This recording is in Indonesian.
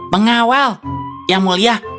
pengawal yang mulia